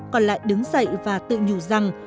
con lại đứng dậy và tự nhủ rằng